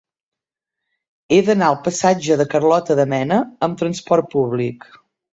He d'anar al passatge de Carlota de Mena amb trasport públic.